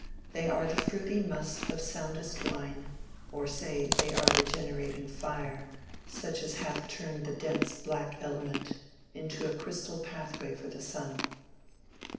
They are the fruity must of soundest wine; Or say, they are regenerating fire Such as hath turned the dense black element Into a crystal pathway for the sun.